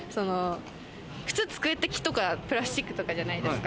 普通、机って木とかプラスチックとかじゃないですか。